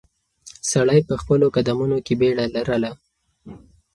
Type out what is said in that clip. سړی په خپلو قدمونو کې بیړه لرله.